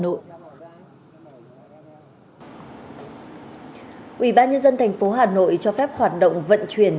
ubnd tp hà nội cho phép hoạt động vận chuyển